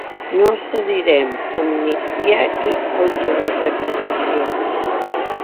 No cedirem: amnistia i autodeterminació!